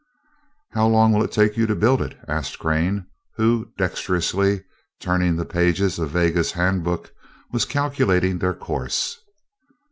"How long will it take you to build it?" asked Crane, who, dexterously turning the pages of "Vega's Handbuch" was calculating their course.